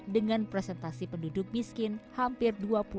dengan presentasi penduduk miskin hampir dua puluh